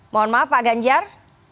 mohon maaf pak ganjar